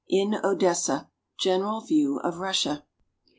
IN ODESSA — GENERAL VIEW OF RUSSIA.